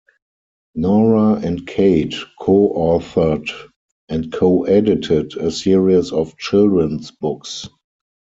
Nora and Kate co-authored and co-edited a series of children's books.